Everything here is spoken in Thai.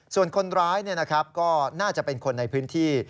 ส่วนคนร้ายก็น่าจะเป็นคนในพื้นที่